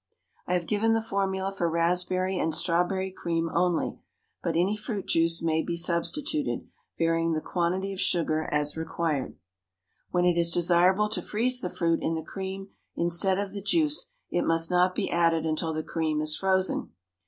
I have given the formula for raspberry and strawberry cream only, but any fruit juice may be substituted, varying the quantity of sugar as required. When it is desirable to freeze the fruit in the cream instead of the juice, it must not be added until the cream is frozen.